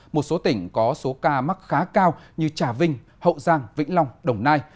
một số tỉnh có số ca mắc khá cao như trà vinh hậu giang vĩnh long đồng nai